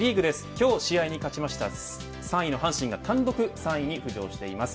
今日試合に勝ちました３位の阪神が単独３位に浮上しています。